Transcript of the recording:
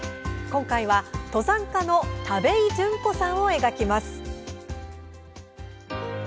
今回は、登山家の田部井淳子さんを描きます。